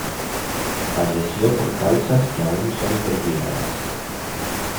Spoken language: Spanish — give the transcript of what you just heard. Falleció por causas que aun son investigadas.